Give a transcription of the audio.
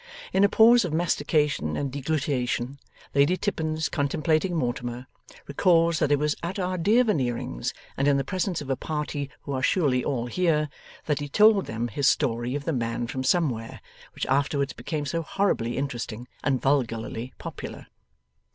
In a pause of mastication and deglutition, Lady Tippins, contemplating Mortimer, recalls that it was at our dear Veneerings, and in the presence of a party who are surely all here, that he told them his story of the man from somewhere, which afterwards became so horribly interesting and vulgarly popular.